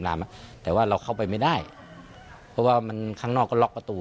แล้วเข้าไปไม่ได้เพราะว่ามันครั้งนอกลอกประตู